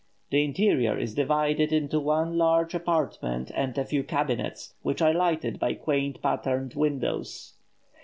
The interior is divided into one large apartment and a few cabinets, which are lighted by quaint patterned windows.